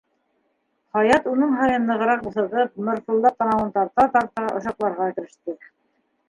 Хаят уның һайын нығыраҡ буҫығып, мыртылдап танауын тарта-тарта, ошаҡларға кереште: